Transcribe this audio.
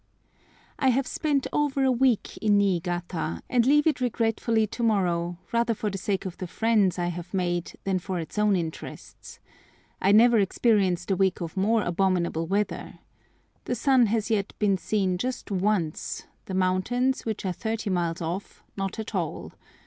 I HAVE spent over a week in Niigata, and leave it regretfully to morrow, rather for the sake of the friends I have made than for its own interests. I never experienced a week of more abominable weather. The sun has been seen just once, the mountains, which are thirty miles off, not at all.